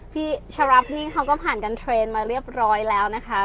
พี่ชะรับนี่เขาก็ผ่านกันเทรนด์มาเรียบร้อยแล้วนะคะ